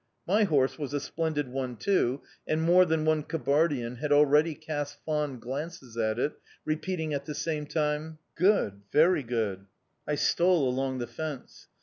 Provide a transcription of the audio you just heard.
My horse was a splendid one too, and more than one Kabardian had already cast fond glances at it, repeating at the same time: 'Yakshi tkhe chok yakshi.' "I stole along the fence.